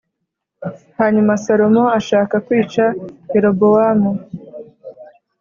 Hanyuma Salomo ashaka kwica Yerobowamu